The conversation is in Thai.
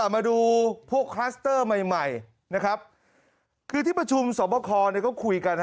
มาดูพวกคลัสเตอร์ใหม่นะครับคือที่ประชุมสมครค์ก็คุยกัน